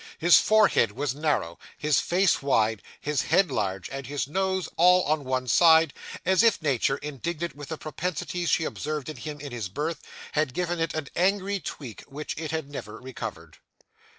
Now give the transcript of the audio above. His forehead was narrow, his face wide, his head large, and his nose all on one side, as if Nature, indignant with the propensities she observed in him in his birth, had given it an angry tweak which it had never recovered.